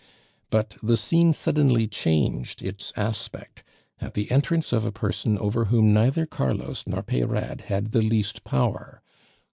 But the scene suddenly changed its aspect at the entrance of a person over whom neither Carlos nor Peyrade had the least power.